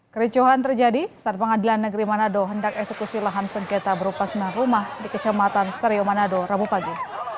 kericuhan terjadi saat pengadilan negeri manado hendak eksekusi lahan sengketa berupa sembilan rumah di kecamatan serio manado rabu pagi